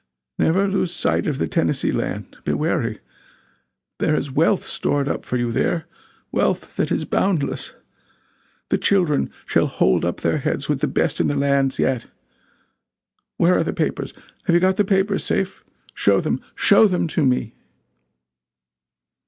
Never lose sight of the Tennessee Land! Be wary. There is wealth stored up for you there wealth that is boundless! The children shall hold up their heads with the best in the land, yet. Where are the papers? Have you got the papers safe? Show them show them to me!"